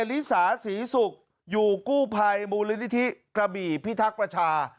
ลิสาศรีศุกร์อยู่กู้ภัยมูลนิธิกระบี่พิทักษ์ประชา